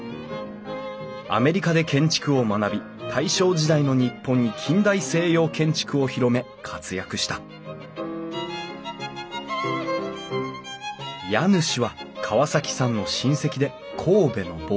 アメリカで建築を学び大正時代の日本に近代西洋建築を広め活躍した家主は川崎さんの親戚で神戸の貿易商土井内蔵さん。